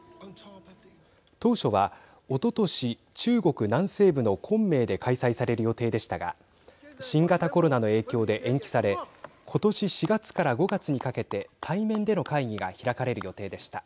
当初は、おととし中国南西部の昆明で開催される予定でしたが新型コロナの影響で延期されことし４月から５月にかけて対面での会議が開かれる予定でした。